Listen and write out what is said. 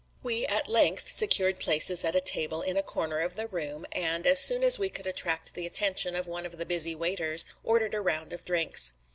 We at length secured places at a table in a corner of the room and, as soon as we could attract the attention of one of the busy waiters, ordered a round of drinks.